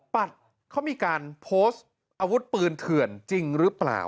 ปัดเขามีการโพสต์อาวุธปืนเถื่อนจริงหรือเปล่า